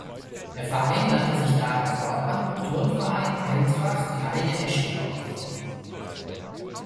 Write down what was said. Der Verein nannte sich daher fortan "Turnverein Eintracht Rheine-Eschendorf".